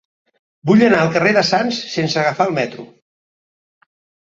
Vull anar al carrer de Sants sense agafar el metro.